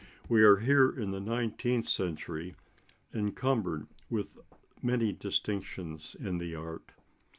We are here in the nineteenth century encumbered with many distinctions in the art.